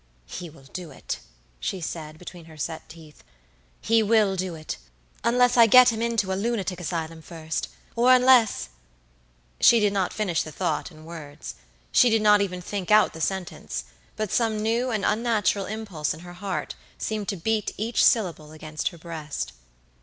"He will do it," she said, between her set teeth"he will do it, unless I get him into a lunatic asylum first; or unless" She did not finish the thought in words. She did not even think out the sentence; but some new and unnatural impulse in her heart seemed to beat each syllable against her breast.